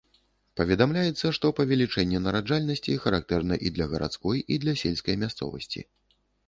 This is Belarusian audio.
Паведамляецца, што павелічэнне нараджальнасці характэрна і для гарадской, і для сельскай мясцовасці.